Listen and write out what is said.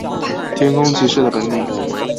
天空骑士的本体。